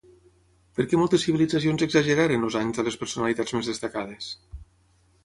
Per què moltes civilitzacions exageraren els anys de les personalitats més destacades?